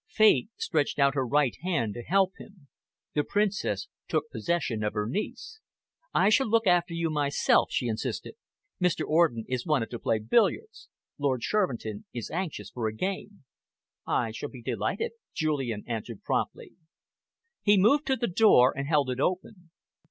Fate stretched out her right hand to help him. The Princess took possession of her niece. "I shall look after you myself," she insisted. "Mr. Orden is wanted to play billiards. Lord Shervinton is anxious for a game." "I shall be delighted," Julian answered promptly. He moved to the door and held it open.